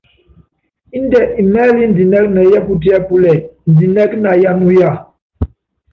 Indɛ́ imɛ́ɛlɛ́ indinɛ́k nɛ yɛ́pútíɛ́púlɛ́ indinɛ́k na yá nuyá ?